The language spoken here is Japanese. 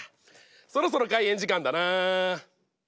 そろそろ開演時間だな。